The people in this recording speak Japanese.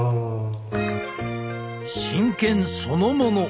真剣そのもの！